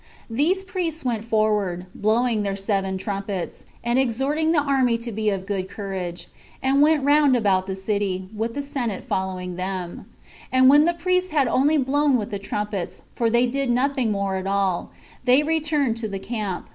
These priests went forward, blowing with their seven trumpets; and exhorted the army to be of good courage, and went round about the city, with the senate following them; and when the priests had only blown with the trumpets, for they did nothing more at all, they returned to the camp.